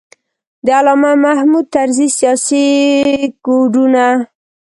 د علامه محمود طرزي سیاسي کوډونه.